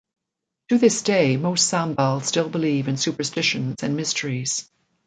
To this day, most Sambal still believe in superstitions and mysteries.